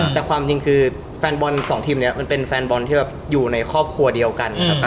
แต่ความจริงคือแฟนบอลสองทีมนี้มันเป็นแฟนบอลที่แบบอยู่ในครอบครัวเดียวกันนะครับ